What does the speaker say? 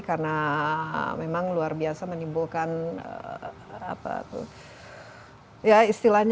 karena memang luar biasa menimbulkan